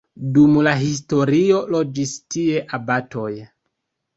Dum la historio loĝis tie abatoj.